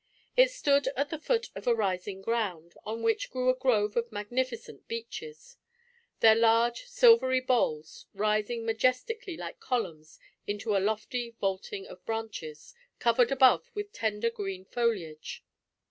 It stood at the foot of a rising ground, on which grew a grove of magnificent beeches, their large silvery boles rising majestically like columns into a lofty vaulting of branches, covered above with tender green foliage.